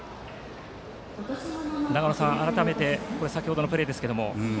長野さん、改めて先程のプレーですが。